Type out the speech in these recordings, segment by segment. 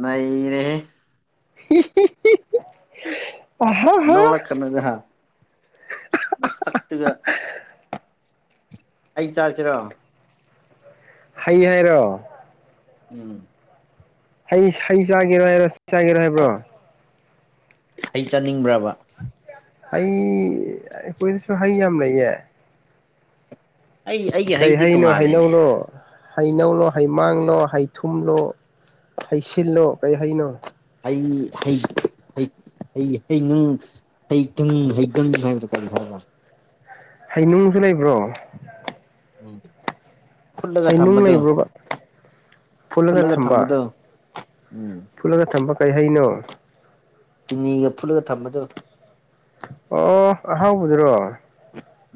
ꯅꯩꯔꯦ ꯍꯦ [inaudible] ꯅꯧꯂ ꯀꯅꯒ ꯍꯥ ꯁꯛꯇꯒ ꯑꯩ ꯆꯥꯁꯤꯔꯣ ꯍꯩ ꯍꯥꯏꯔꯣ ꯎꯝ ꯍꯩ ꯍꯩ ꯆꯥꯒꯦꯔꯣ ꯍꯥꯏꯔꯣ ꯁꯤ ꯆꯥꯒꯦꯔꯣ ꯍꯥꯏꯕ꯭ꯔꯣ ꯑꯩ ꯆꯠꯅꯤꯡꯕ꯭ꯔꯕ ꯍꯩ ꯑꯩꯈꯣꯏꯗꯁꯨ ꯍꯩ ꯌꯥꯝ ꯂꯩꯌꯦ ꯑꯩ ꯑꯩꯒꯤ ꯀꯩ ꯍꯩꯗꯤ ꯍꯥꯏꯩꯅꯣ ꯇꯣꯡꯉꯥꯜꯂꯦꯅꯦ ꯍꯥꯏꯩꯅꯧꯅꯣ ꯍꯩꯅꯧꯂꯣ ꯍꯩꯃꯥꯡꯂꯣ ꯍꯩ ꯊꯨꯝꯂꯣ ꯍꯩꯁꯤꯜꯂꯣ ꯀꯔꯤ ꯍꯩꯅꯣ ꯑꯩ ꯍꯩ ꯍꯩ ꯍ ꯍꯩꯪ ꯍꯩꯪ ꯍꯩꯪ ꯍꯥꯏꯕ ꯀ ꯍꯥꯏꯕ ꯍꯩꯌꯅꯨꯡꯁꯨ ꯂꯩꯕ꯭ꯔꯣ ꯎꯝ ꯐꯨꯠꯂꯒ ꯍꯩꯅꯨꯡ ꯊꯝꯕꯗꯣ ꯂꯩꯕ꯭ꯔꯣꯕ ꯄꯨꯜꯂꯒ ꯐꯨꯠꯂꯒ ꯊꯝꯕ ꯊꯝꯕꯗꯣ ꯎꯝ ꯄꯨꯜꯂꯒ ꯊꯝꯕ ꯀꯔꯤ ꯍꯥꯏꯩꯅꯣ ꯆꯤꯅꯤꯒ ꯐꯨꯠꯂꯒ ꯊꯝꯕꯗꯣ ꯑꯣ ꯑꯍꯥꯎꯕꯗꯨ꯭ꯔꯣ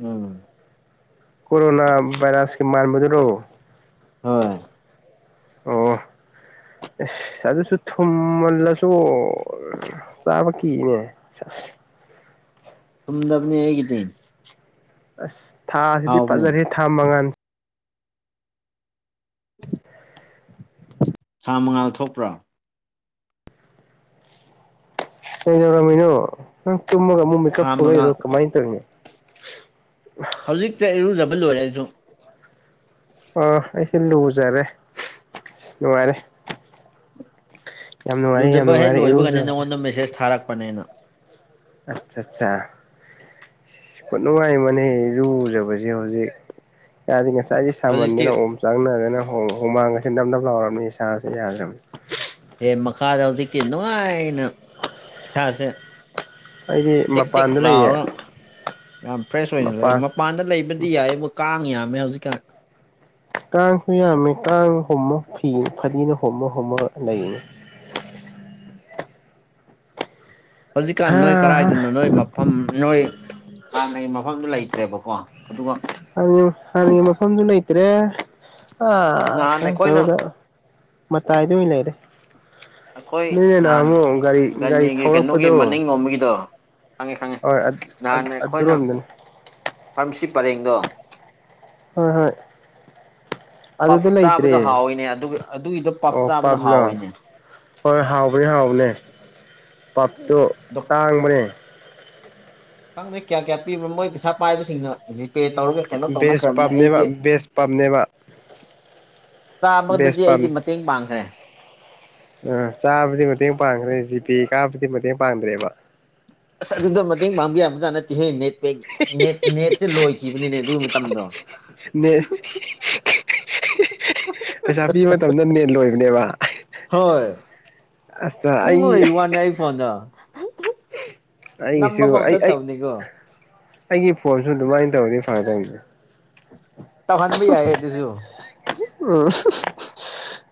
ꯎꯝ ꯀꯣꯔꯣꯅꯥ ꯥꯏꯔꯁꯀꯤ ꯃꯥꯔ ꯃꯗꯔꯣ ꯍꯣꯏ ꯑꯣ ꯑꯗꯨꯁꯨ ꯊꯨꯝꯃꯜꯂꯁꯨ ꯆꯥꯕ ꯀꯤꯅꯦ ꯆꯁ ꯇꯨꯝꯗꯕꯅꯦ ꯑꯦꯒꯤꯇꯤꯟ ꯑꯁ ꯊꯥꯁꯤꯗꯤ ꯐꯥꯖꯔꯤꯦ ꯊꯥ ꯃꯉꯥꯟ [inaudible] ꯊꯥ ꯃꯉꯥꯜ ꯊꯣꯛꯄ꯭ꯔꯥ ꯀꯩꯗꯧꯔꯝꯃꯤꯅꯣ ꯅꯪ ꯇꯨꯝꯃꯒ ꯑꯃꯨꯛ ꯊꯥ ꯃꯦꯀꯞ ꯃꯉꯥ ꯊꯣꯛꯂꯛꯏꯔꯣ ꯀꯃꯥꯏꯅ ꯇꯧꯔꯤꯅꯤ ꯍꯧꯖꯤꯛꯇ ꯏꯔꯨꯖꯕ ꯂꯣꯏꯔꯦ ꯑꯩꯁꯨ ꯑꯥ ꯑꯩꯁ ꯂꯨꯖꯔꯦ ꯑ ꯅꯨꯡꯉꯥꯏꯔꯦ ꯌꯥꯝ ꯅꯨꯡꯉꯥꯏꯔꯦ ꯌꯥꯝ ꯂꯨꯗꯕ ꯍꯦꯛ ꯅꯨꯡꯉꯥꯏꯔꯦ ꯂꯣꯏꯕꯒꯅꯤ ꯏꯔꯨꯖꯕꯁꯦ ꯅꯪꯉꯣꯟꯗ ꯃꯦꯁꯦꯁ ꯊꯥꯔꯛꯄꯅꯦꯅ ꯑꯆꯥ ꯑꯆꯥ ꯅꯨꯡꯉꯥꯏꯃꯅꯦ ꯂꯨꯖꯕꯁꯦ ꯍꯧꯖꯤꯛ ꯌꯥ ꯉꯁꯥꯏ ꯉꯥꯏꯒꯤ ꯍꯧꯖꯤꯛꯇꯤ ꯁꯥꯃꯟꯗꯅ ꯑꯣꯝ ꯆꯥꯡꯅꯗꯅ ꯍꯨꯃꯥꯡꯒꯁ ꯇꯞ ꯇꯞ ꯂꯥꯎꯔꯕꯅꯤ ꯁꯥꯥꯁꯦ ꯌꯥꯈ꯭ꯔꯕꯅꯤ ꯑꯦ ꯃꯈ ꯃꯈꯥꯗ ꯍꯧꯗꯤ ꯀ ꯅꯣ ꯏꯅ ꯏꯥꯁꯦ ꯑꯩꯗꯤ ꯇꯦꯛ ꯇꯦꯛ ꯃꯄꯥꯟꯗ ꯂꯩꯌꯦ ꯂꯥꯔ ꯌꯥꯝ ꯐ꯭ꯔꯦꯁ ꯑꯣꯏꯅ ꯂꯩꯔ ꯃꯄꯥꯟ ꯃꯄꯥꯟꯗ ꯂꯩꯕꯗꯤ ꯌꯥꯏꯌꯦꯕꯨ ꯀꯥꯡ ꯌꯥꯝꯃꯦ ꯍꯧꯖꯤꯛꯀꯥꯟ ꯀꯥꯡꯁꯨ ꯌꯥꯝꯃꯦ ꯀꯥꯡ ꯍꯣꯃ ꯐꯤ ꯐꯗꯤꯅ ꯍꯣꯃ ꯍꯣꯃ ꯂꯩꯅꯤ [inaudible] ꯍꯧꯖꯤꯛꯀꯥꯟ ꯍꯥ ꯅꯣꯏ ꯍꯥ ꯀꯗꯥꯥꯏꯗꯅꯣ ꯅꯣꯏ ꯃꯐꯝ ꯅꯣꯏ ꯍꯥꯟꯅꯩ ꯃꯐꯝꯗꯨꯣ ꯂꯩꯇ꯭ꯔꯦꯕꯀꯣ ꯑꯗꯨꯒ ꯃꯐꯝꯗꯨ ꯂꯩꯇ꯭ꯔꯦ ꯑ ꯅꯍꯥꯟ ꯑꯩꯈꯣꯏꯅ ꯀꯩꯅꯗ ꯃꯇꯥꯏꯗ ꯂꯩꯔꯦ ꯑꯩꯈꯣꯏ ꯅꯣꯏꯅ ꯅꯍꯥꯟ ꯅꯍꯥꯟꯃꯨꯛ ꯒꯥꯔꯤ ꯒꯥꯔꯤ ꯒꯅꯤꯒꯤ ꯀꯩꯅꯣꯒꯤ ꯊꯧꯔꯛꯄꯗꯣ ꯃꯅꯤꯡ ꯂꯣꯝꯕꯒꯤꯗꯣ ꯈꯪꯉꯦ ꯈꯪꯉꯦ ꯍꯣꯏ ꯅꯍꯥꯟ ꯑꯩꯈꯣꯏꯅ ꯑꯗꯨꯔꯣꯝꯗꯅꯤ ꯐꯥꯔꯃꯥꯁꯤ ꯄꯔꯦꯡꯗꯣ ꯍꯣꯏ ꯍꯣꯏ ꯄꯞ ꯑꯗꯨꯗ ꯂꯩꯇ꯭ꯔꯦ ꯆꯥꯕꯗ ꯍꯥꯎꯏꯤꯅꯦ ꯑꯗꯨ ꯑꯗꯨꯒꯤꯗꯣ ꯄꯞ ꯑꯣ ꯆꯥꯕꯗ ꯄꯥꯞꯂꯣ ꯍꯥꯎꯋꯤꯅꯦ ꯍꯣꯏ ꯍꯥꯎꯕꯅꯦ ꯍꯥꯎꯕꯅꯦ ꯄꯞꯇꯨ ꯇꯥꯡꯕꯅꯦ ꯈꯪꯗ꯭ꯔꯦ ꯀꯌꯥ ꯀꯌꯥ ꯄꯤꯕꯅꯣ ꯃꯣꯏ ꯄꯩꯁꯥ ꯄꯥꯏꯕꯁꯤꯡꯅꯖꯤ ꯄꯦ ꯇꯧꯔꯒ ꯀꯩꯅꯣ ꯕꯦꯁ ꯇꯧꯅꯈ꯭ꯔꯕꯅꯦ ꯑꯩꯗꯤ ꯄꯥꯞꯅꯦꯕ ꯕꯦꯁ ꯄꯥꯞꯅꯦꯕ ꯕꯦꯁ ꯆꯥꯕꯗꯗꯤ ꯄꯥꯞ ꯑꯩꯗꯤ ꯃꯇꯦꯡ ꯄꯥꯡꯈ꯭ꯔꯦ ꯑ ꯆꯥꯕꯗꯤ ꯃꯇꯦꯡ ꯄꯥꯡꯈ꯭ꯔꯦ ꯖꯤꯄꯤꯤ ꯀꯥꯕꯨꯗꯤ ꯃꯇꯦꯡ ꯄꯥꯡꯗ꯭ꯔꯦꯕ ꯑꯁ ꯑꯗꯨꯗ ꯃꯇꯦꯡ ꯄꯥꯡꯕꯤ ꯌꯥꯕꯖꯥꯅꯠꯇꯤꯍ ꯅꯦꯠ ꯅꯦꯠꯁꯦ ꯂꯣꯏ ꯀꯈꯤꯕꯅꯤꯅꯦ ꯑꯗꯨꯒꯤ ꯃꯇꯝꯗꯣ ꯅ ꯄꯩꯁꯥ ꯄꯤꯕ ꯃꯇꯝꯗ ꯅꯦꯟ ꯂꯣꯏꯕꯅꯦꯕ ꯑꯁ ꯎ ꯑꯩ ꯂꯩ ꯋꯥꯅꯦꯏ ꯐꯣꯟꯗ ꯑꯩꯁꯨ ꯑꯩ ꯑꯩꯒꯤ ꯐꯣꯟ ꯑꯗꯨꯃꯥꯏꯅ ꯇꯧꯔꯗꯤ ꯐꯔ ꯇꯅꯦ ꯇꯧꯍꯟꯕ ꯌꯥꯏꯌꯦ ꯑꯗꯨꯁꯨ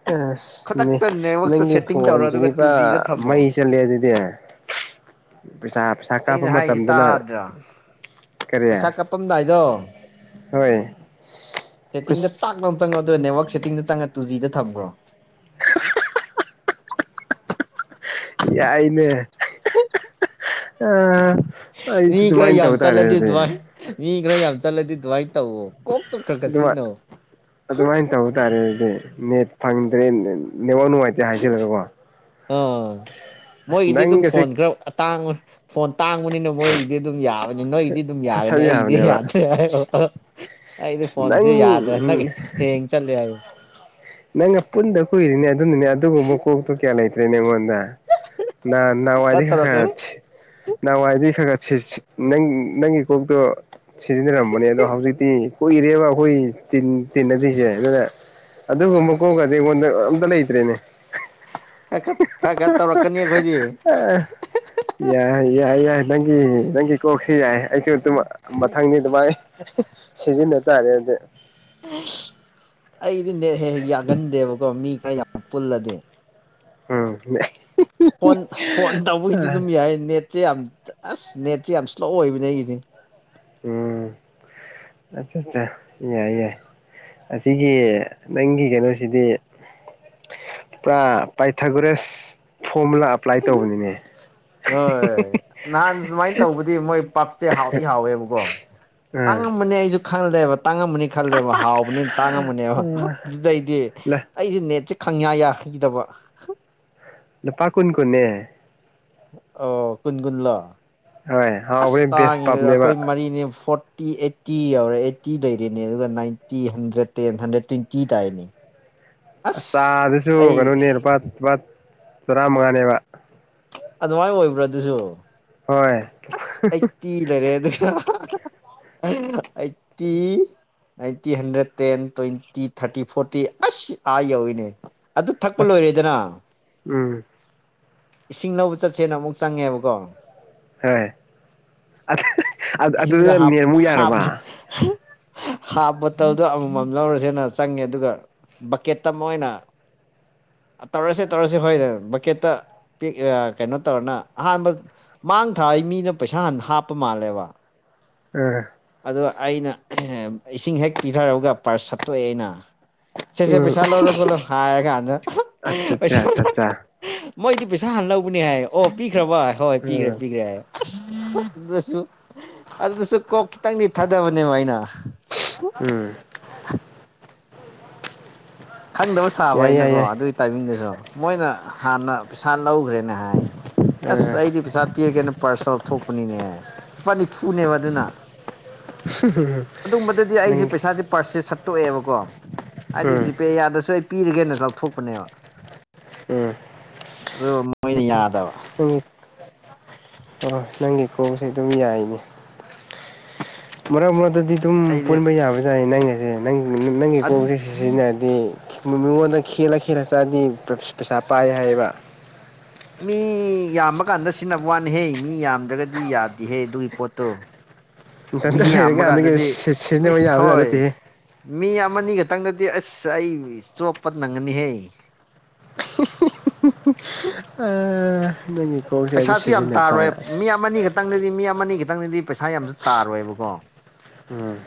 ꯑꯁ ꯈꯨꯗꯛꯇ ꯅꯦꯠꯋꯥꯛꯇ ꯅꯪꯒꯤ ꯁꯦꯠꯇꯤꯡ ꯇꯧꯔꯣ ꯐꯣꯟꯁꯤꯗꯤ ꯑꯗꯨꯒ ꯇꯨ ꯄꯨꯔꯥ ꯖꯤꯗ ꯃꯩ ꯊꯝꯃꯣ ꯆꯠꯂꯦ ꯑꯗꯨꯗꯤ ꯄꯩꯁꯥ ꯄꯩꯁꯥ ꯀꯥꯞꯄ ꯑꯩꯅ ꯍꯥꯏꯁꯤ ꯃꯇꯝꯗꯅ ꯇꯥꯗ꯭ꯔꯥ ꯀꯔꯤꯌꯥ ꯄꯩꯁꯥ ꯀꯥꯞꯄꯝꯗꯥꯏꯗꯣ ꯍꯣꯏꯣꯏ ꯁꯦꯠꯇꯤꯡꯗ ꯇꯥꯛꯂ ꯆꯪꯉꯣ ꯑꯗꯨꯒ ꯅꯦꯠꯋꯔꯛ ꯁꯦꯠꯇꯤꯡꯗ ꯆꯪꯉ ꯇꯨ ꯖꯤꯗ ꯊꯝꯈ꯭ꯔꯣ [inaudible] ꯌꯥꯏꯅꯦ ꯑ ꯃꯤ ꯑꯩꯁꯨ ꯈꯔ ꯑꯗꯨꯃꯥꯏꯅ ꯌꯥꯝ ꯇꯧ ꯇꯥꯔꯦ ꯆꯠꯂꯗꯤ ꯑꯗꯨꯗꯤ ꯑꯗꯨꯃꯥꯏ ꯃꯤ ꯈꯔ ꯌꯥꯝ ꯆꯠꯂꯗꯤ ꯑꯗꯨꯃꯥꯏꯅ ꯇꯧ ꯑꯗꯨꯥꯏ ꯑꯗꯨꯃꯥꯏꯅ ꯇꯧꯕ ꯇꯥꯔꯦꯗꯤ ꯅꯦꯠ ꯐꯪꯗ꯭ꯔꯦ ꯅꯦꯕ ꯅꯨꯡꯉꯥꯏꯇꯦ ꯍꯥꯏꯁꯤꯜꯂꯒꯀꯣ ꯑꯥ ꯃꯣꯏꯒꯤꯗꯤ ꯑꯗꯨꯝ ꯐꯣꯟ ꯈꯔꯥꯡꯕ ꯐꯣꯟ ꯇꯥꯡꯕꯅꯤꯅ ꯃꯣꯏꯒꯤꯗꯤ ꯑꯗꯨꯝ ꯌꯥꯕꯅꯤ ꯅꯣꯏ ꯑꯗꯨꯝ ꯁꯠ ꯌꯥꯔꯅꯤ ꯁꯠ ꯑꯩꯗꯤ ꯌꯥꯕꯅꯦꯕ ꯌꯥꯗ꯭ꯔꯦ ꯍꯥꯏ ꯑꯩꯗꯤ ꯑꯁ ꯅꯪ ꯐꯣꯟꯁꯦ ꯌꯥꯗ꯭ꯔ ꯅꯪ ꯍ ꯆꯦꯣ ꯅꯪ ꯄꯨꯟꯗ ꯀꯨꯏꯅꯦ ꯑꯗꯨ ꯅꯅꯦ ꯑꯗꯨꯨꯝꯕ ꯀꯗ ꯀꯌꯥꯂꯇ꯭ꯔꯦꯅꯦꯣꯟ ꯅ ꯈꯔ ꯋꯥꯗꯤ ꯈ ꯈ ꯇꯧꯔꯛꯀꯅꯤ ꯅꯍꯥꯟꯋꯥꯏꯗꯤ ꯈꯔ ꯈꯔ ꯅꯪ ꯅꯪꯒꯤ ꯀꯣꯛꯇꯣ ꯁꯤꯖꯤꯟꯅꯔꯝꯕꯅꯦ ꯑꯗꯣ ꯍꯧꯖꯤꯛꯇꯤ ꯀꯨꯏꯔꯦꯕ ꯑꯩꯈꯣꯏ ꯇꯤꯟꯅꯗꯣꯏꯁꯦ ꯑꯗꯨꯅ ꯑꯗꯨꯒꯨꯝ ꯃꯀꯣꯛꯒꯗꯤ ꯑꯩꯉꯣꯟꯗ ꯑꯝꯇ ꯂꯩꯇ꯭ꯔꯦꯅꯦ ꯈꯔ ꯈꯠ ꯈꯔ ꯈꯠ ꯇꯧꯔꯛꯀꯅꯤ ꯑꯩꯈꯣꯏꯗꯤ ꯌꯥꯏ ꯌꯥꯏ ꯌꯥꯏ ꯅꯪꯒꯤ ꯅꯪꯒꯤ ꯀꯣꯛꯁꯤ ꯌꯥꯏ ꯑꯩꯁꯨ ꯑꯗꯨꯝ ꯃꯊꯪꯅꯤ ꯑꯗꯨꯃꯥꯏ ꯁꯤꯖꯤꯅꯇꯥ ꯍꯥꯏꯔꯦꯗꯤ ꯑꯩꯗꯤ ꯅꯦꯛ ꯍꯦꯛ ꯍꯦꯛ ꯌꯥꯒꯟꯗꯦꯕꯀꯣ ꯃꯤ ꯈꯔ ꯌꯥꯝ ꯄꯨꯜꯂꯗꯤ ꯎꯝ ꯐꯣꯟ ꯐꯣꯟ ꯇꯧꯕꯒꯤꯗꯤ ꯑꯗꯨꯝ ꯌꯥꯏ ꯅꯦꯠ [unintelligible] ꯌꯥꯝ ꯑꯁ ꯅꯦꯠꯁꯦ ꯌꯥꯝ ꯏꯁ꯭ꯂꯣ ꯑꯣꯏꯕꯅꯦ ꯑꯩꯒꯤꯁꯦ ꯎꯝ ꯑꯆꯥ ꯑꯆꯥ [unintelligible] ꯑꯁꯤꯒꯤ ꯅꯪꯒꯤ ꯀꯩꯅꯣꯁꯤꯗꯤ ꯄꯨꯔꯥ ꯄꯥꯏꯊꯒꯨꯔꯦꯁ ꯑꯦꯄ꯭ꯂꯥꯏ ꯇꯧꯕꯅꯤꯅꯦ ꯍꯣꯏ ꯅꯍꯥꯟ ꯁꯨꯃꯥꯏꯅ ꯇꯧꯕꯗꯤ ꯃꯣꯏ ꯄꯞꯁꯦ ꯍꯥꯎꯇꯤ ꯍꯥꯎꯋꯦꯕꯀꯣ ꯑꯥ ꯇꯥꯡꯉꯝꯕꯅꯦ ꯑꯩꯁꯨ ꯈꯪꯗꯦꯕ ꯇꯥꯡꯉꯃꯅꯤ ꯈꯜꯂꯦꯕ ꯍꯥꯎꯕꯅꯤꯅ ꯇꯥꯡꯉꯃꯅꯦꯕ ꯑꯗꯨꯗꯩꯗꯤ ꯑꯩꯗꯤ ꯅꯦꯠꯁꯦ ꯈꯪ ꯌꯥꯈ꯭ꯔꯦ ꯊꯗꯕ ꯄꯥ ꯀꯨꯟ ꯀꯅꯦ ꯑꯣ ꯀꯨꯟ ꯀꯨꯟꯂꯣ ꯍꯣꯏ ꯑꯁ ꯍꯥꯎꯕꯅꯦ ꯕꯦꯁ ꯇꯥꯡꯉꯤꯅꯦ ꯑꯩꯈꯣꯏ ꯄꯞꯅꯦꯕ ꯃꯔꯤꯅꯦ ꯐꯣꯔꯠ ꯐꯇꯤ ꯑꯩꯠꯇꯤ ꯌꯥꯎꯔꯦ ꯑꯩꯠꯇꯤ ꯂꯩꯔꯦꯅꯦ ꯑꯗꯨꯒ ninety hundred ten hundred twenty ꯇꯥꯏꯅꯦ ꯑꯁ ꯆꯥꯗꯨꯁꯨ ꯀꯩꯅꯣꯅꯦ ꯂꯨꯄꯥ ꯂꯨꯄꯥ ꯇꯔꯥꯃꯉꯥꯅꯦꯕ ꯑꯗꯨꯃꯥꯏꯅ ꯑꯣꯏꯕ꯭ꯔꯥ ꯑꯗꯨꯁꯨ ꯍꯣꯏ ꯑꯁ ꯑꯩꯠꯇꯤ ꯂꯩꯔꯦ ꯑꯗꯨ eighty ninety hundred ten twenty thirty forty ꯑꯁ ꯑꯥ ꯌꯧꯋꯤꯅꯦ ꯑꯗꯨ ꯊꯛꯄ ꯂꯣꯏꯔꯦꯗꯅ ꯎꯝ ꯏꯁꯤꯡ ꯂꯧꯕ ꯆꯠꯁꯦꯅ ꯑꯃꯨꯛ ꯆꯪꯉꯦꯕꯀꯣ ꯍꯣꯏ ꯏꯁꯤꯡꯗ ꯑꯗꯨꯗ ꯍꯥꯞ ꯅꯦꯠꯃꯨꯛ ꯍꯥꯞ ꯌꯥꯔꯕ ꯍꯥꯞ ꯕꯣꯇꯜꯗꯣ ꯑꯃꯃꯝ ꯂꯧꯔꯁꯦꯅ ꯆꯪꯉꯦ ꯑꯗꯨꯒ ꯕꯛꯀꯦꯠꯇ ꯑꯃ ꯑꯣꯏꯅ ꯇꯧꯔꯁꯦ ꯇꯧꯔꯁꯦ ꯍꯣꯏꯅꯦ ꯕꯛꯀꯦꯠꯇ ꯄꯦꯛ ꯀꯩꯅꯣ ꯇꯧꯔꯅ ꯑꯍꯥꯟꯕ ꯃꯥꯡ ꯊꯥꯏ ꯃꯤꯅ ꯄꯩꯁꯥ ꯍꯥꯟ ꯍꯥꯞꯄ ꯃꯥꯜꯂꯦꯕ ꯎꯝ ꯑꯗꯣ ꯑꯩꯅ ꯏꯁꯤꯡ ꯍꯦꯛ ꯄꯤꯊꯔꯑꯒ ꯄꯥꯔꯁ ꯁꯠꯇꯣꯛꯑꯦ ꯑꯩꯅ ꯁꯦꯁꯦ ꯎꯝ ꯄꯩꯁꯥ ꯂꯧꯔꯒꯂꯣ ꯍꯔꯔꯒ ꯑꯗ ꯑꯠꯆꯥ ꯑꯠꯆꯥ ꯄꯩꯁꯥ ꯑꯠꯆꯥ ꯑꯠꯆꯥ ꯃꯣꯏꯗꯤ ꯄꯩꯁꯥ ꯍꯥꯟꯅ ꯂꯧꯕꯅꯦ ꯍꯥꯏ ꯑꯣ ꯄꯤꯈ꯭ꯔꯕ ꯍꯣꯏ ꯄꯤꯈ꯭ꯔꯦ ꯎꯝ ꯄꯤꯈ꯭ꯔꯦ ꯍꯥꯏ ꯑꯁ ꯑꯗꯨꯁꯨ ꯑꯗꯨꯗꯁꯨ ꯀꯣꯛ ꯈꯤꯇꯪꯗꯤ ꯊꯥꯗꯕꯅꯦꯕ ꯑꯩꯅ ꯎꯝ ꯈꯪꯗꯕ ꯁꯥꯕ ꯌꯥꯏ ꯌꯥꯏ ꯍꯥꯏꯅꯀꯣ ꯌꯥꯏ ꯑꯗꯨꯒꯤ ꯇꯥꯏꯃꯤꯡꯗꯨꯁꯨ ꯃꯣꯏꯅ ꯍꯥꯟꯅ ꯄꯩꯁꯥ ꯂꯧꯈ꯭ꯔꯦꯅ ꯍꯥꯏꯌꯦ ꯑꯁ ꯑꯥ ꯑꯩꯗꯤ ꯄꯩꯁꯥ ꯄꯤꯔꯒꯦꯅ ꯄꯥꯔꯁ ꯊꯣꯛ ꯂꯄꯅꯤꯅꯦ ꯂꯨꯄꯥ ꯅꯤꯐꯨꯅꯦꯕ ꯑꯗꯨꯅ ꯑꯗꯨꯝꯕꯗꯗꯤ ꯑꯩꯁꯦ ꯅꯪꯒꯤ ꯄꯩꯁꯥꯁꯦ ꯄꯥꯔꯁꯦꯁ ꯁꯠꯇꯣꯛꯑꯦꯕꯀꯣ ꯍꯥꯏꯗꯤ ꯎꯝ ꯖꯤ ꯆꯁꯨ ꯑꯩ ꯄꯤꯔꯒꯦꯅ ꯂꯧꯊꯣꯛꯄꯅꯦꯕ ꯎꯝ ꯑꯗꯨ ꯃꯣꯏꯅ ꯌꯥꯗꯕ ꯅꯪꯒꯤ ꯑꯣ ꯅꯪꯒꯤ ꯀ꯭ꯔꯣꯁꯦ ꯑꯗꯨꯝ ꯌꯥꯏꯅꯦ ꯃꯔꯛ ꯃꯔꯛ ꯑꯗꯨꯗꯤ ꯑꯗꯨꯝ ꯑꯩꯗꯤ ꯄꯨꯟꯕ ꯌꯥꯕ ꯌꯥꯏ ꯅꯪꯁꯦ ꯅꯪ ꯅꯪꯒꯤ ꯀꯣꯛꯁꯦ ꯁꯤꯖꯤꯟꯅꯔ ꯃꯤꯉꯣꯟꯗ ꯈꯦꯠꯂ ꯈꯦꯠꯂ ꯆꯥꯗꯤ ꯄꯩꯁꯥ ꯄꯥꯏ ꯍꯥꯏꯌꯦꯕ ꯃꯤ ꯃꯤ ꯌꯥꯝꯕ ꯀꯥꯟꯗ ꯁꯤꯖꯤꯟꯅꯕ ꯋꯥꯅꯤꯍꯦ ꯃꯤ ꯌꯥꯝꯗ꯭ꯔꯒꯗꯤ ꯌꯥꯗꯦꯍꯦ ꯑꯗꯨꯒꯤ ꯄꯣꯠꯇꯣ ꯃꯤ ꯏꯊꯟꯇ ꯌꯥꯝꯕ ꯂꯩꯔꯀꯥꯟꯗꯒꯤ ꯀꯥꯟꯗꯗꯤ ꯃꯤ ꯁꯤꯖꯤꯟꯅꯕ ꯌꯥꯕꯖꯥꯠ ꯍꯣꯏ ꯅꯠꯇꯦꯍꯦ ꯃꯤ ꯑꯃꯅꯤꯒ ꯃꯈꯤꯇꯪꯗꯗꯤ ꯑꯁ ꯑꯩ ꯆꯣꯞꯄ ꯅꯪꯒꯅꯤꯍꯦ ꯑ ꯄꯩꯁꯥꯁꯨ ꯌꯥꯝ ꯇꯥꯔꯣꯏ ꯇꯥꯔꯦ ꯑꯁ ꯃꯤ ꯑꯃꯅꯤ ꯈꯛꯇꯪꯗꯗꯤ ꯃꯤ ꯑꯃꯅꯤ ꯈꯛꯇ ꯈꯤꯇꯪꯅꯤꯗꯤ ꯄꯩꯁꯥ ꯌꯥꯝꯁꯨ ꯇꯥꯔꯣꯏꯕꯀꯣ ꯎꯝ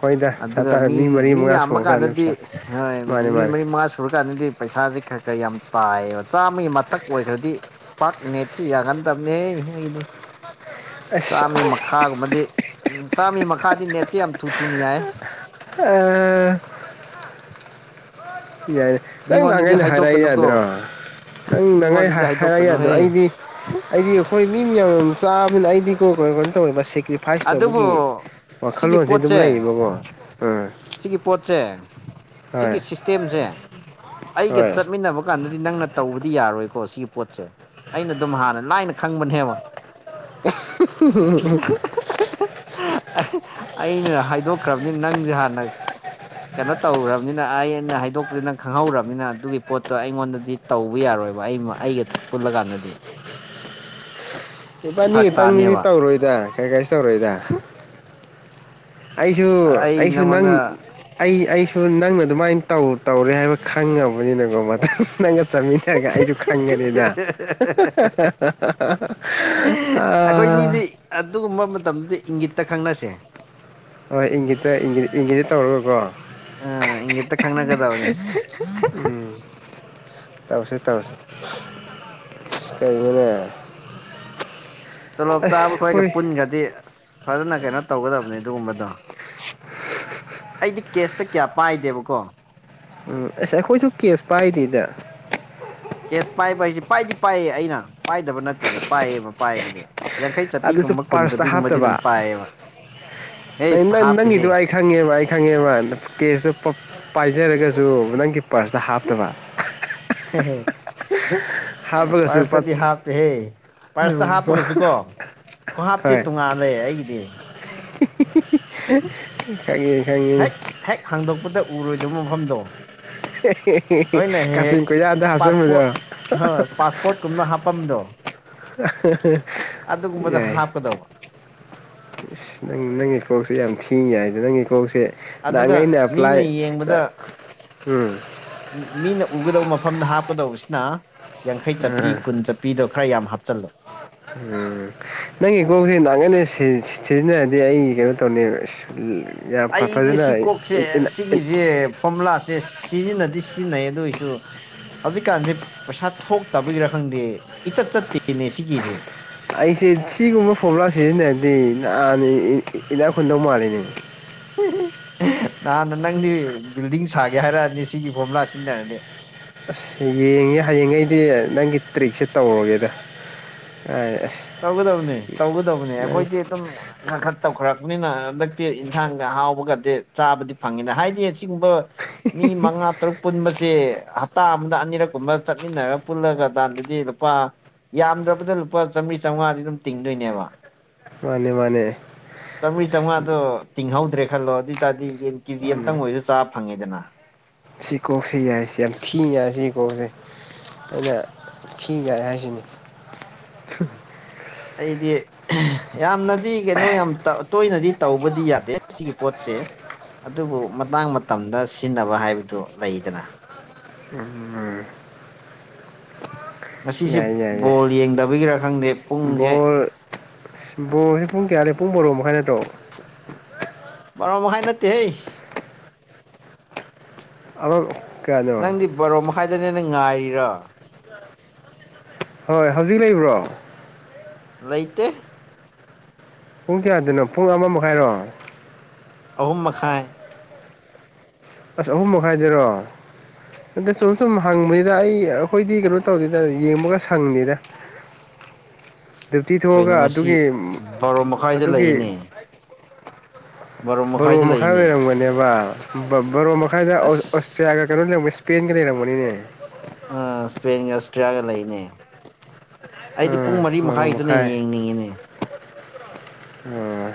ꯍꯣꯏꯗ ꯄꯩꯁꯥ ꯑꯗꯨꯒ ꯇꯥꯔ ꯃꯤ ꯃꯔꯤ ꯃꯤ ꯃꯉꯥ ꯌꯥꯝꯕ ꯁꯨꯔꯀꯥꯟꯗ ꯀꯥꯟꯗꯗꯤ ꯄꯩꯁꯥ ꯍꯣꯏ ꯃꯥꯅꯦ ꯃꯤ ꯃꯥꯅꯦ ꯃꯔꯤ ꯃꯉꯥ ꯁꯨꯔꯀꯥꯟꯗꯗꯤ ꯄꯩꯁꯥꯁꯦ ꯈꯔ ꯈꯔ ꯌꯥꯝ ꯇꯥꯏ ꯆꯥꯝꯃꯒꯤ ꯃꯊꯛ ꯑꯣꯏꯈ꯭ꯔꯗꯤ ꯄꯥꯛꯅꯦꯊꯤ ꯌꯥꯒꯟꯗꯕꯅꯦ ꯑꯩꯗꯤ ꯑꯁ ꯆꯥꯃ ꯃꯈꯥꯒꯨꯝꯕꯗꯤ ꯆꯥꯝꯃꯔꯤ ꯃꯈꯥꯗꯤ ꯅꯦꯠꯇꯦ ꯌꯥꯝ ꯊꯨ ꯊꯨꯅꯤ ꯌꯥꯏ ꯑ ꯌꯥꯏꯅꯤ ꯅꯪ ꯃꯤꯉꯣꯟꯗꯗꯤ ꯅꯍꯥꯟꯈꯩꯩꯅ ꯍꯥꯏꯔꯛꯏ ꯍꯥꯏꯗꯣꯛꯀꯅꯨꯀꯣ ꯌꯥꯗ꯭ꯔꯣ ꯅꯪꯅꯉꯥꯏ ꯃꯤꯉꯣꯟꯗꯗꯤ ꯍꯥꯏꯔꯛꯑ ꯌꯥꯗꯣ ꯍꯥꯏꯗꯣꯛꯀꯅꯨꯍꯦ ꯑꯩꯗꯤ ꯑꯩꯗꯤ ꯑꯩꯈꯣꯏ ꯃꯤ ꯃꯌꯥꯝ ꯆꯥꯕꯅ ꯑꯏꯗꯤ ꯀꯔꯣꯅꯤ ꯇꯧ ꯁꯦ ꯐꯥꯏꯁ ꯑꯗꯨꯕꯨ ꯇꯧꯕꯒꯤ ꯁꯤꯒꯤ ꯋꯥꯈꯜꯂꯣꯟꯁꯦ ꯑꯗꯨꯝ ꯄꯣꯠꯁꯦ ꯂꯩꯌꯦꯕꯀꯣ ꯎꯝ ꯁꯤꯒꯤ ꯄꯣꯠꯁꯦ ꯍꯣꯏ ꯁꯤꯒꯤ ꯏꯁꯇꯦꯝꯁꯦ ꯑꯩꯒ ꯍꯣꯏ ꯆꯠꯃꯤꯟꯅꯕ ꯀꯥꯟꯗꯗꯤ ꯅꯪꯅ ꯇꯧꯕꯗꯤ ꯌꯥꯔꯣꯏꯀꯣ ꯁꯤꯒꯤ ꯄꯣꯠꯁꯦ ꯑꯩꯅ ꯑꯗꯨꯝ ꯍꯥꯟꯅ ꯂꯥꯏꯅ ꯈꯪꯕꯅꯦꯕ ꯎꯝ ꯎꯝ ꯑꯩꯅ ꯍꯥꯏꯗꯣꯛꯈ꯭ꯔꯕꯅꯤ ꯅꯪꯁꯦ ꯍꯥꯟꯅ ꯀꯩꯅꯣ ꯇꯧꯈ꯭ꯔꯕꯅꯤꯅ ꯑ ꯑꯩꯅ ꯍꯥꯏꯗꯣꯛꯄꯗꯤ ꯅꯪ ꯈꯪꯍꯧꯔꯕꯅꯤꯅ ꯑꯗꯨꯒꯤ ꯄꯣꯠꯇꯣ ꯑꯩꯉꯣꯟꯗꯗꯤ ꯇꯧꯕ ꯌꯥꯔꯣꯏꯕ ꯑꯩꯒ ꯄꯨꯜꯂ ꯀꯥꯟꯗꯗꯤ ꯂꯄꯥꯅꯤ ꯈꯤꯇꯪꯅꯤꯗꯤ ꯇꯥꯅꯦꯕ ꯇꯧꯔꯣꯏꯗ ꯀꯩ ꯀꯥꯏꯁꯨ ꯇꯧꯔꯣꯏꯗ ꯑꯩꯁꯨ ꯑꯩ ꯑꯩꯁꯨ ꯅꯪ ꯅꯪꯉꯣꯟꯗ ꯑꯩ ꯅꯪꯅ ꯑꯗꯨꯃꯥꯏꯅ ꯇꯧ ꯇꯧꯔꯦ ꯍꯥꯏꯕ ꯈꯪꯉꯕꯅꯤꯅꯀꯣ ꯃꯊ ꯅꯪ ꯆꯠꯃꯤꯟꯅꯔꯒ ꯑꯩꯁꯨ ꯈꯪꯒꯅꯤꯗ ꯑꯣ [unintelligible] ꯑꯩꯈꯣꯏꯅꯤꯗꯤ ꯑꯗꯨꯒꯨꯝꯕ ꯃꯇꯝꯗꯗꯤ ꯏꯪꯒꯤꯠꯇ ꯈꯪꯅꯁꯦ ꯍꯣꯏ ꯏꯪꯒꯤꯇ ꯏꯪꯒꯤꯗ ꯇꯧꯔꯒꯣꯏꯀꯣ ꯑ ꯏꯉꯦꯇ ꯈꯪꯅꯒꯗꯕꯅꯦ ꯇꯥꯞꯁꯦ ꯑꯁꯥ ꯀꯩꯅꯣꯅꯦ ꯇꯣꯂꯣꯞ ꯆꯥꯕ ꯑꯁ ꯈꯣꯏꯒ ꯍꯣꯏ ꯄꯨꯟꯒ꯭ꯔꯗꯤ ꯑꯁ ꯐꯖꯅ ꯀꯩꯅꯣ ꯇꯧꯒꯗꯕꯅꯤ ꯑꯗꯨꯒꯨꯝꯕꯗꯣ ꯑꯩꯗꯤ ꯀꯦꯁꯇ ꯀꯌꯥ ꯄꯥꯏꯗꯦꯕꯀꯣ ꯎꯝ ꯑꯁ ꯑꯩꯈꯣꯏꯁꯨ ꯀꯦꯁ ꯄꯥꯏꯗꯗ ꯀꯦꯁ ꯄꯥꯏꯕ ꯍꯥꯏꯁꯦ ꯄꯥꯏꯗꯤ ꯄꯥꯏꯌꯦ ꯑꯩꯅ ꯄꯥꯏꯗꯕ ꯅꯠꯇꯦꯗ ꯄꯥꯏꯌꯦꯕ ꯄꯥꯏꯕꯗꯤ ꯌꯥꯡꯈꯩ ꯑꯗꯨꯁꯨ ꯆꯠꯄꯤꯒꯨꯝꯕ ꯀꯨꯟ ꯆꯠꯄꯤꯒꯨꯝꯕꯗꯤ ꯑꯗꯨꯝ ꯄꯥꯏꯑꯕ ꯅ ꯅꯪ ꯅꯪꯒꯤꯗꯨꯣ ꯑꯩ ꯈꯪꯉꯦꯕ ꯑꯩ ꯈꯪꯉꯦꯕ ꯀꯦꯁꯇ ꯄꯥꯏꯖꯔꯒꯁꯨ ꯅꯪꯒꯤ ꯄꯥꯔꯁꯇ ꯍꯥꯞꯇꯕ [unintelligible] ꯍꯥꯞꯄꯒꯁꯨ ꯂꯨꯄꯥ ꯄꯥꯔꯁꯇꯗꯤ ꯍꯥꯞꯄꯦꯍꯦ ꯄꯥꯔꯁꯇ ꯍꯥꯞꯄꯒꯁꯨꯀꯣ ꯈ꯭ꯍꯥꯞꯁꯦ ꯇꯣꯉꯥꯟꯜꯂ ꯑꯩꯒꯤꯗꯤ ꯏ ꯈꯥ ꯏꯟ ꯈꯥꯏꯒ ꯄꯗ ꯎꯔꯣꯏꯗꯕ ꯃꯐꯝꯗꯣ ꯍꯣꯏꯅꯦ ꯍꯦꯛ ꯍꯦꯛ ꯀꯥꯆꯤꯟ ꯀꯣꯏꯌꯥꯗ ꯄꯥꯁꯄꯣꯠ ꯍꯥꯞꯆꯟꯕꯗꯣ ꯍ ꯄꯥꯁꯄꯣꯠ ꯀꯨꯝꯅ ꯍꯥ ꯍꯥꯄꯝꯗꯣ [inaudible] ꯑꯗꯨꯒꯨꯝꯕꯗꯣ ꯍꯥꯞꯀꯗꯧꯕ ꯏꯁ ꯅꯪ ꯅꯪꯒꯤ ꯏꯁꯀꯣꯛꯁꯦ ꯌꯥꯝ ꯊꯦꯡꯉꯏꯗ ꯅꯪꯒꯤ ꯀꯣꯛꯁꯦ ꯅꯍꯥꯟ ꯑꯗꯨꯒ ꯑꯩꯅ ꯑꯦꯄ꯭ꯂꯥꯏ ꯃꯤꯅ ꯌꯦꯡꯕꯗ ꯎꯝ ꯃꯤꯅ ꯎꯒꯗꯧꯕ ꯃꯐꯝꯗ ꯍꯥꯞꯀꯗꯧꯕꯁꯤꯅ ꯌꯥꯡꯈꯩ ꯆꯞꯄꯤ ꯑꯥ ꯀꯨꯟ ꯆꯞꯄꯤꯗꯣ ꯈꯔ ꯌꯥꯝ ꯍꯥꯞꯆꯜꯂꫭ ꯎꯝ ꯅꯪꯒꯤꯀꯣꯛꯁꯦ ꯅꯥꯈꯟꯒꯩꯅ ꯁꯤ ꯁꯤꯖꯤꯟꯅꯔꯗꯤ ꯑꯩ ꯀꯩꯅꯣ ꯇꯧꯅꯤ ꯑꯁ ꯌꯥꯝ ꯑꯩꯗꯤ ꯐꯖꯅ ꯁꯤ ꯀꯣꯛꯁꯦ ꯁꯤꯒꯤꯖꯦ ꯐꯣꯝꯃꯨꯂꯥ ꯁꯦ ꯁꯤꯖꯤꯟꯅꯗꯤ ꯁꯤꯖꯤꯟꯅꯩ ꯑꯗꯨ ꯑꯣꯏꯁꯨ ꯍꯧꯖꯤꯛ ꯀꯥꯟꯖꯦ ꯄꯩꯁꯥ ꯊꯣꯛꯇꯕꯩꯔ ꯈꯪꯗꯦ ꯏꯆꯠ ꯆꯠꯇꯦꯅꯦ ꯁꯤꯒꯤꯖꯦ ꯑꯩꯁꯦ ꯁꯤꯒꯨꯝꯕ ꯐꫭꯝꯃꯨꯂ ꯁꯤꯖꯤꯟꯅ꯭ꯔꯗꯤ ꯅꯍꯥꯟ ꯏ ꯏ ꯏꯅꯥꯛ ꯈꯨꯨꯟꯗꯧ ꯃꯥꯜꯂꯤꯅꯦ ꯍꯦ ꯍꯦ ꯍꯦ ꯅꯍꯥꯟꯅ ꯅꯪꯗꯤ ꯕꯤꯜꯗꯤꯡ ꯁꯥꯒꯦ ꯍꯥꯏꯔꯛꯑꯅꯤ ꯁꯤꯒꯤ ꯐꯣꯝꯃꯨꯂꯥ ꯁꯤꯖꯤꯟꯅꯔꯗꯤ ꯑꯁ ꯌꯦꯡꯉꯦ ꯍꯌꯦꯡꯉꯩꯗꯤ ꯅꯪꯒꯤ ꯇ꯭ꯔꯤꯛꯁꯦ ꯇꯧꯔꯒꯦꯗ ꯑꯥꯏ ꯑꯦ ꯇꯧꯒꯗꯕꯅꯦ ꯇꯧꯒꯗꯕꯅꯦ ꯑꯩꯈꯣꯏꯗꯤ ꯑꯗꯨꯝ ꯈꯔꯈꯠ ꯇꯧꯈꯔꯛꯄꯅꯤꯅ ꯍꯟꯗꯛꯇꯤ ꯏꯟꯁꯥꯡꯒ ꯍꯥꯎꯕꯒꯗꯤ ꯆꯥꯕꯗꯤ ꯐꯪꯉꯤꯗ ꯍꯥꯏꯗꯤ ꯑꯁꯤꯒꯨꯝꯕ ꯃꯤ ꯃꯉꯥ ꯇꯔꯨꯛ ꯄꯨꯟꯕꯁꯦ ꯍꯞꯇꯥ ꯑꯃꯗ ꯑꯅꯤꯔꯛꯀꯨꯝꯕ ꯆꯠꯃꯤꯟꯅꯔ ꯄꯨꯜꯂꯒꯗꯥꯟꯗꯗꯤ ꯂꯨꯄꯥ ꯌꯥꯝꯗ꯭ꯔꯕꯗ ꯂꯨꯄꯥ ꯆꯝꯃ꯭ꯔꯤ ꯆꯧꯉꯥꯗꯤ ꯑꯗꯨꯝ ꯇꯤꯡꯗꯣꯏꯅꯦꯕ ꯃꯥꯅꯦ ꯃꯥꯅꯦ ꯆꯝꯔꯤ ꯆꯧꯉꯥꯗꯣ ꯇꯤꯡꯍꯧ ꯨꯗꯔꯦ ꯈꯜꯂꯣ ꯑꯗꯨꯏꯇꯥꯗꯤ ꯌꯦꯟ ꯀꯦꯖꯤ ꯃꯥꯅꯦ ꯑꯝꯇꯪ ꯑꯣꯏꯖꯨ ꯆꯥ ꯐꯪꯉꯤꯗꯅ ꯁꯤ ꯀꯣꯛꯁꯦ ꯌꯥꯏ ꯌꯥꯝ ꯊꯤ ꯌꯥꯏ ꯁꯤ ꯀꯣꯛꯁꯦ ꯑꯩꯅ ꯊꯤ ꯌꯥꯏ ꯍꯥꯏꯁꯤꯅꯤ ꯑꯩꯗꯤ ꯑꯦ ꯌꯥꯝꯅꯗꯤ ꯀꯩꯅꯣ ꯌꯥꯝ ꯇꯧ ꯇꯣꯏꯅꯗꯤ ꯇꯧꯕꯗꯤ ꯌꯥꯗꯦ ꯁꯤꯒꯤ ꯄꯣꯠ ꯇꯦ ꯑꯗꯨꯕꯨ ꯃꯇꯥꯡ ꯃꯇꯝꯗ ꯁꯤꯟꯅꯕ ꯍꯥꯏꯕꯗꯨ ꯂꯩꯗꯅ ꯎꯝ ꯉꯁꯤꯖꯦ ꯌꯥꯏ ꯕꯣꯜ ꯌꯦꯡꯗꯕꯒꯤꯔ ꯈꯪꯗꯦ ꯄꯨꯡꯖꯦ ꯕꯣꯜ ꯑꯁ ꯕꯣꯜꯖꯦ ꯄꯨꯡ ꯀꯌꯥ ꯂꯩ ꯄꯨꯡ ꯕꯔꫭ ꯃꯈꯥꯏ ꯑꯗꯥꯏ ꯅꯠꯇ꯭ꯔꯣ ꯕꯔꫭ ꯃꯈꯥꯏ ꯅꯠꯇꯦ ꯍꯦ ꯑꯃ ꯀꯌꯥꯅꯣ ꯅꯪꯗꯤ ꯕꯥꯔꫭ ꯃꯈꯥꯏꯗꯅꯦ ꯅꯦ ꯉꯥꯏꯔꯤꯔꫭ ꯍꯣꯏ ꯍꯧꯖꯤꯛ ꯂꯩꯕ꯭ꯔꯣ ꯂꯩꯇꯦ ꯄꯨꯡ ꯀꯌꯥꯗꯅꯣ ꯄꯨꯡ ꯑꯃ ꯃꯈꯥꯏꯔꯣ ꯑꯍꯨꯝ ꯃꯈꯥꯏ ꯑꯁ ꯑꯍꯨꯝ ꯃꯈꯥꯏꯗ꯭ꯔꯣ ꯑꯗ ꯁꯨꯝ ꯁꯨꯝ ꯍꯪꯕꯅꯤꯗ ꯑꯩ ꯑꯈꯣꯏꯗꯤ ꯀꯩꯅꯣ ꯇꯧꯗꯤꯗ ꯌꯦꯡꯕꯒ ꯁꯪꯗꯦꯗ [inaudible] [unintelligible] ꯗ꯭ꯌꯨꯇꯤ ꯀꯩꯅꯣ ꯊꯣꯛꯑꯒ ꯉꯁꯤ ꯑꯗꯨꯒꯤ ꯕꯥꯔꯣ ꯃꯈꯥꯏꯗ ꯑꯗꯨꯒꯤ ꯂꯩꯅꯦ ꯕꯥꯔꯣ ꯕꯔꯣ ꯃꯈꯥꯏꯗ ꯃꯈꯥꯏ ꯂꯩꯅꯦ ꯑꯣꯏꯔꯝꯒꯅꯦꯕ ꯕ ꯕꯔꯣ ꯃꯈꯥꯏꯗ ꯑꯣꯁ ꯑꫭꯁꯇ꯭ꯔꯤꯌꯒ ꯑꯁ ꯀꯩꯅꯣ ꯂꯩꯔꯝ ꯏꯁꯄꯦꯟꯒ ꯂꯩꯔ ꯇꯧꯕꯅꯤꯅꯦ ꯑꯩ ꯏꯁ꯭ꯄꯦꯟꯒ ꯑꯁꯇ꯭ꯔꯤꯌꯥꯒ ꯂꯩꯅꯦ ꯑꯩꯗꯤ ꯑꯥ ꯄꯨꯡ ꯃꯔꯤ ꯃꯥ ꯕꯥꯔꯣ ꯍꯥꯏꯗꯨꯅ ꯃꯈꯥꯏ ꯌꯦꯡꯅꯤꯡꯉꯤꯅꯦ ꯑꯥ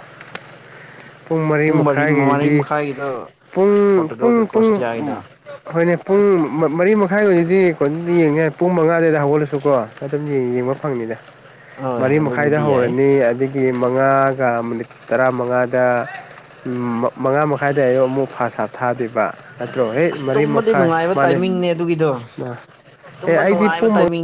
ꯄꯨꯡ ꯃꯔꯤ ꯃꯔꯤ ꯃꯈꯥꯏꯒꯤꯗꫭ ꯄꯨꯡ ꯄꯔꫭꯇꯨꯒꯜꯒ ꯄꯨꯡ ꯄꯨꯡ ꯀꯣꯁꯇꯤꯌꯥꯒꯤꯗꫭ ꯍꯣꯏꯅꯦ ꯄꯨꯡ ꯃ ꯃꯔꯤ ꯃꯈꯥꯏ ꯑꫭꯏꯔꯗꯤ ꯀꫭꯟꯅꯤ ꯌꯦꯡꯌꯥ ꯄꯨꯡ ꯃꯉꯥꯗꯩꯗ ꯍꯧꯒꯠꯂꯁꯨꯀꯣ ꯑꯗꯨꯝ ꯌꯦꯡꯕ ꯐꯪꯅꯤꯗ ꯍꯣꯏ ꯃꯔꯤ ꯃꯈꯥꯏꯗ ꯑꯗꯨꯕꯨꯗꯤ ꯌꯥꯏ ꯍꯧꯔꯅꯤ ꯑꯗꯩ ꯗꯤ ꯃꯉꯥꯒ ꯃꯤꯅꯤꯠ ꯇꯔꯥ ꯃꯪꯉꯥ ꯗ ꯃ ꯃꯪꯉꯥ ꯃꯈꯥꯏꯗꯩ ꯑꯃꯨꯛ ꯐꯥꯁ ꯍꯥꯞ ꯊꯥꯗꯣꯏꯕ ꯅꯠꯇ꯭ꯔꯣ ꯍꯦ ꯑꯁ ꯃꯔꯤ ꯇꯨꯝꯕꯗꯤ ꯃꯈꯥꯏ ꯅꯨꯡꯉꯥꯏꯕ ꯃꯥꯅꯦ ꯇꯥꯏꯃꯤꯡꯅꯦ ꯑꯗꯨꯒꯤꯗꯣ ꯑ ꯑꯦ ꯇꯨꯝꯕ ꯑꯩꯗꯤ ꯅꯨꯡꯉꯥꯏꯕ ꯄꯨꯡ ꯃꯪ ꯇꯥꯏꯃꯤꯡ